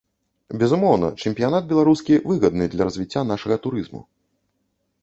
Безумоўна, чэмпіянат беларускі выгадны для развіцця нашага турызму.